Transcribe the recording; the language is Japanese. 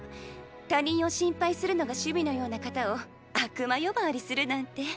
他人を心配するのが趣味のような方を悪魔呼ばわりするなんて。